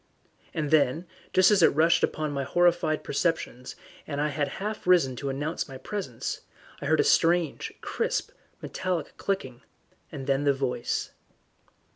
And then, just as it rushed upon my horrified perceptions, and I had half risen to announce my presence, I heard a strange, crisp, metallic clicking, and then the voice.